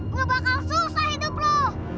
gue bakal susah hidup loh